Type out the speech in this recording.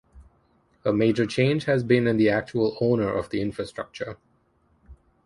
A major change has been in the actual owner of the infrastructure.